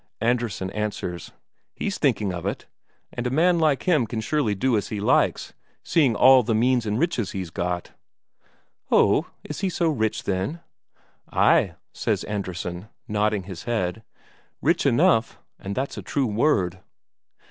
Andresen answers: "He's thinking of it. And a man like him can surely do as he likes, seeing all the means and riches he's got." "Ho, is he so rich, then?" "Ay," says Andresen, nodding his head; "rich enough, and that's a true word."